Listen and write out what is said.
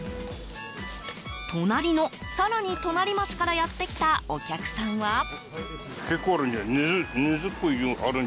隣の更に隣町からやってきたお客さんは。